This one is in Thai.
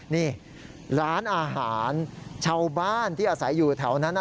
นี่ร้านอาหารชาวบ้านที่อาศัยอยู่แถวนั้น